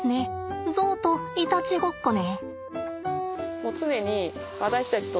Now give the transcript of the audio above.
ゾウといたちごっこね。